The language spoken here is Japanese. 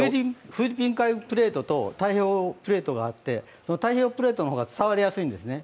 フィリピン海プレートと太平洋プレートがあって、太平洋プレートの方が伝わりやすいんですね。